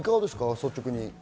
率直に。